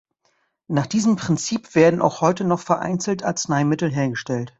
Nach diesem Prinzip werden auch heute noch vereinzelt Arzneimittel hergestellt.